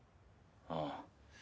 ああ。